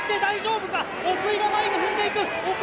奥井が前に踏んでいく！